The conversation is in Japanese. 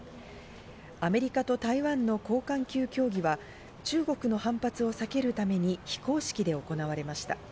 アメリカと台湾の高官級協議は中国の反発を避けるために非公式で行われました。